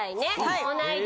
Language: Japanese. はい。